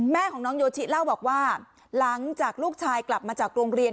แม่ของน้องโยชิเล่าบอกว่าหลังจากลูกชายกลับมาจากโรงเรียน